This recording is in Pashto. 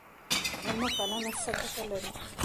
میلمه پالنه څه ګټه لري؟